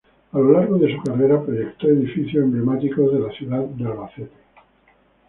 A lo largo de su carrera proyectó edificios emblemáticos de la ciudad de Albacete.